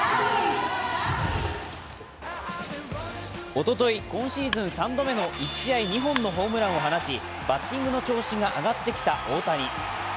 おととい、今シーズン３度目の１試合２本のホームランを放ちバッティングの調子が上がってきた大谷。